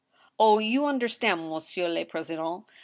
"Oh, you understand, monsieur le president